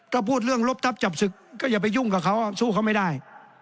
ถ้าพูดเรื่องลบทับจับศึกก็อย่าไปยุ่งกับเขาสู้เขาไม่ได้